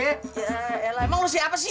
ya eh lah emang lo siapa sih